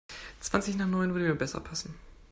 Zwanzig nach neun würde mir besser passen.